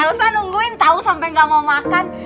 alsa nungguin tau sampe gak mau makan